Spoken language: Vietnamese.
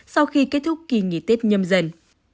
sau khi kết thúc kỳ nghỉ tết nhâm dần